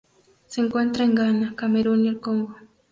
Se encuentra en Ghana, Camerún y el Congo.